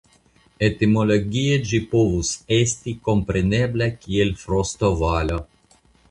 Etimologie ĝi povus estis komprenebla kiel Frostovalo.